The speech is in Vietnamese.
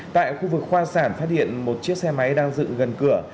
tại khu vực khoa sản phát hiện một chiếc xe máy đang dựng gần cửa